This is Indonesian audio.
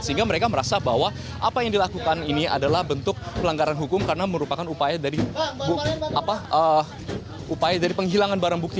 sehingga mereka merasa bahwa apa yang dilakukan ini adalah bentuk pelanggaran hukum karena merupakan upaya dari upaya dari penghilangan barang bukti